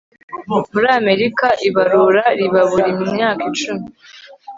muri amerika, ibarura riba buri myaka icumi